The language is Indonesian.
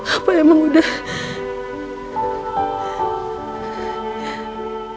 apa emang udah